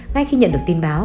ngay khi nhận được tin báo